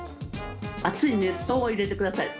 熱い熱湯を入れてください。